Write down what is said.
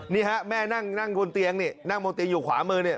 นี่ฮะแม่นั่งบนเตียงนี่นั่งบนเตียงอยู่ขวามือเนี่ย